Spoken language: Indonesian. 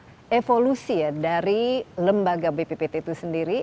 bagaimana evolusi dari lembaga bppt itu sendiri